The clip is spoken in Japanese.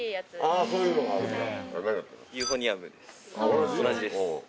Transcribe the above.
同じです。